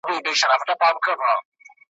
نه وېرېږې له آزاره د مرغانو `